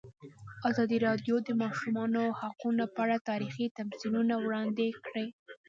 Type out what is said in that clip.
ازادي راډیو د د ماشومانو حقونه په اړه تاریخي تمثیلونه وړاندې کړي.